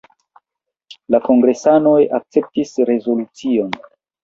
La kongresanoj akceptis rezolucion.